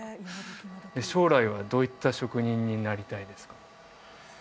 将来はどういった職人になりたいですか？